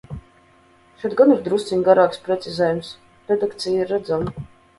Šeit gan ir drusciņ garāks precizējums, redakcija ir redzama.